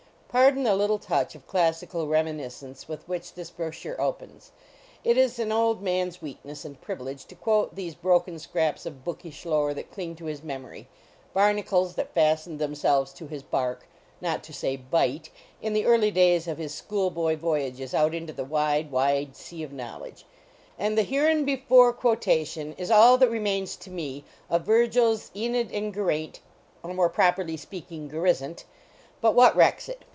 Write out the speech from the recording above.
Pardon the little touch of clas sical reminiscence with which this brochure opens; it is an old man s weakness and privilege to quote these broken scraps of bookish lore that cling to his memory, barnacles that fastened them selves to his bark, not to say bight, in the early days of his school boy voyages out into the wide, wide sea of knowledge. And the hereinbefore quotation is all that remains to me of Virgil s yEneid and Geraint, or, more properly speaking, Gerisn t. But what recks it?